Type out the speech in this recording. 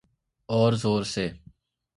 أور زور سے۔